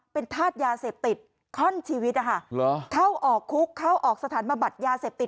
เป็นธาตุยาเสพติดข้อนชีวิตนะคะเข้าออกคุกเข้าออกสถานบำบัดยาเสพติด